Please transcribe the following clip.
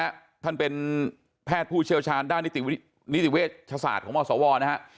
ศรีบอกกับเราอย่างนี้นะฮะท่านเป็นแพทย์ผู้เชี่ยวชาญด้านนิติเวชศาสตร์ของหมอสวนนะฮะ